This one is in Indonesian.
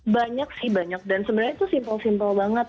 banyak sih banyak dan sebenarnya itu simpel simple banget